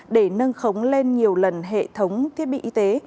để nâng khống lên nhiều lần hệ thống thiết bị y tế